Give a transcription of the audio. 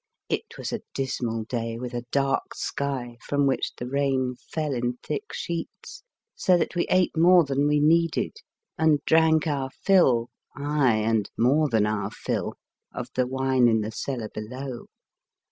It was a dismal day, with a dark sky, from which the rain fell in thick sheets, so that we ate more than we needed and drank our fill, aye, and more than our fill, of the wine in the cellar below.